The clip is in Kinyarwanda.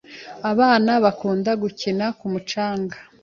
Abana bakunda gukinira ku mucanga.